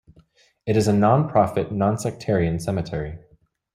It is a non-profit, non-sectarian cemetery.